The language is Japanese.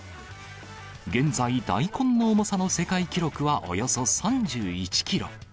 現在、大根の重さの世界記録はおよそ３１キロ。